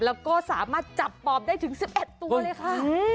แล้วก็สามารถจับปอบได้ถึง๑๑ตัวเลยค่ะ